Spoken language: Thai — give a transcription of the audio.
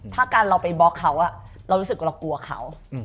ถ้าการเราไปบล็อกเขาเรารู้สึกว่าเรากลัวเขา